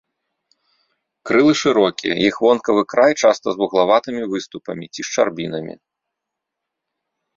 Крылы шырокія, іх вонкавы край часта з вуглаватымі выступамі ці шчарбінамі.